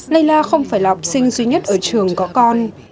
layla không phải là học sinh duy nhất ở trường có con